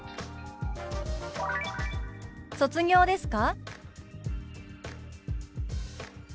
「卒業ですか？」。